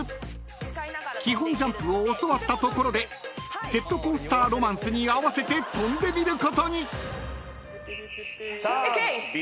［基本ジャンプを教わったところで『ジェットコースター・ロマンス』に合わせて跳んでみることに］さあ美尻になりましょう。